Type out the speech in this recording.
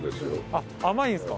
あっ甘いんですか。